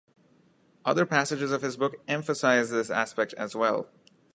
Other passages of his book emphasize this aspect as well.